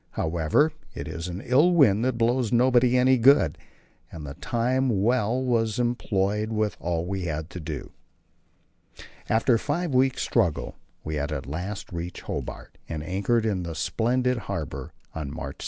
However, it is an ill wind that blows nobody any good, and the time was well employed with all we had to do. After a five weeks' struggle we at last reached Hobart and anchored in the splendid harbour on March 7.